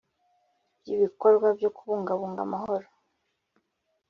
ry'ibikorwa byo kubungabunga amahoro